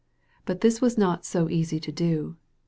But this was not so easy to do.